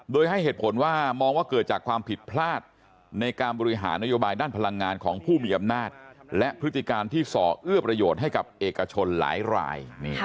โดยให้เหตุผลว่ามองว่าเกิดจากความผิดพลาดในการบริหารนโยบายด้านพลังงานของผู้มีอำนาจและพฤติการที่ส่อเอื้อประโยชน์ให้กับเอกชนหลายราย